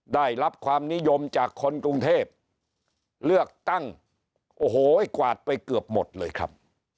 ได้รับความนิยมจากคนกรุงเทพเลือกตั้งโอ้โหกวาดไปเกือบหมดเลยครับ